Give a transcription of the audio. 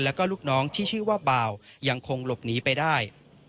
แล้วก็ลูกน้องที่ชื่อว่าบ่าวยังคงหลบหนีไปได้